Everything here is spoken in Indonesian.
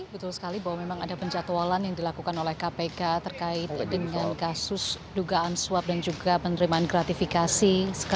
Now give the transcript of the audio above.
betul sekali bahwa memang ada penjatualan yang dilakukan oleh kpk terkait dengan kasus dugaan suap dan juga penerimaan gratifikasi